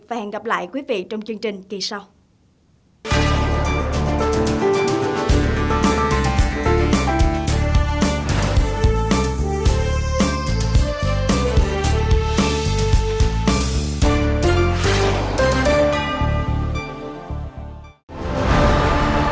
và hẹn gặp lại quý vị trong những video tiếp theo